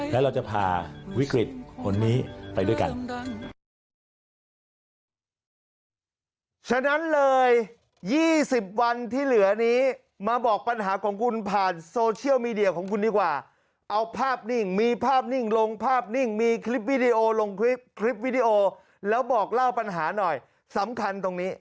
แล้วเราจะพาวิกฤตคนนี้ไปด้วยกัน